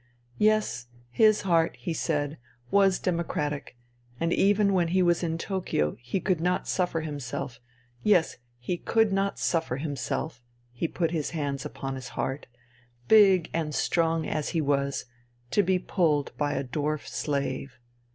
Yes, his heart, he said, was democratic, and even when he was in Tokio he could not suffer himself, yes, he could not suffer himself (he put his hands upon his heart), big and strong as he was, to be pulled by a dwarf slave.